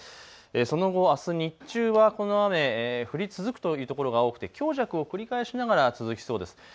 その後、あす日中はこの雨、降り続くというところが多くて強弱を繰り返しながら続きそうです。